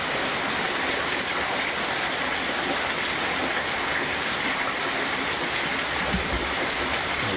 พร้อมทุกสิทธิ์